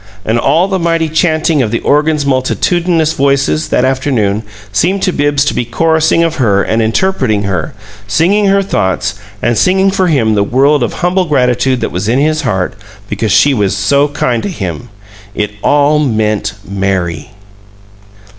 And all the mighty chanting of the organ's multitudinous voices that afternoon seemed to Bibbs to be chorusing of her and interpreting her, singing her thoughts and singing for him the world of humble gratitude that was in his heart because she was so kind to him. It all meant Mary.